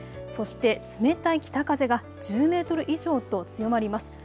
そして冷たい北風が１０メートル以上と強まります。